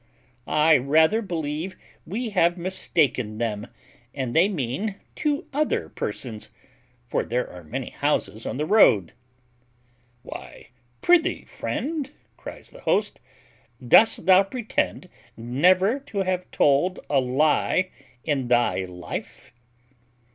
I rather believe we have mistaken them, and they mean two other persons; for there are many houses on the road." "Why, prithee, friend," cries the host, "dost thou pretend never to have told a lye in thy life?"